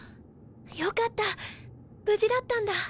よかった無事だったんだ。